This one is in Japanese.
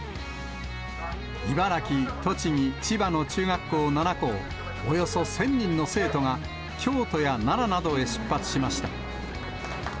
茨城、栃木、千葉の中学校７校、およそ１０００人の生徒が、京都や奈良などへ出発しました。